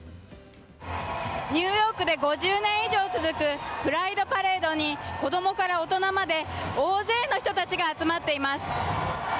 ニューヨークで、５０年以上続くプライドパレードに子供から大人まで大勢の人たちが集まっています。